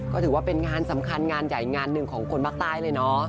ก็ถือว่าเป็นงานสำคัญงานใหญ่งานหนึ่งของคนภาคใต้เลยเนาะ